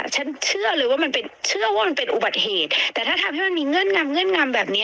ฉันเชื่อเลยว่ามันเป็นอุบัติเหตุแต่ถ้าทำให้มันมีเงื่อนงำแบบนี้